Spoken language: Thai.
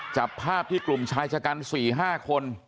จับภาพที่กลุ่มชายชะกัน๔๕คน